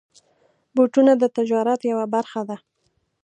بوټونه د تجارت یوه برخه ده.